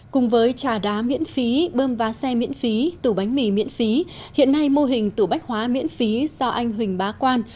cùng với trà đá miễn phí bơm vá xe miễn phí tủ bánh mì miễn phí hiện nay mô hình tủ bách hóa miễn phí do anh huỳnh bá quan